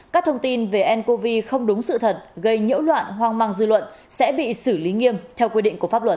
các thông tin về ncov không đúng sự thật gây nhỡ loạn hoang mang dư luận sẽ bị xử lý nghiêm theo quy định của pháp luật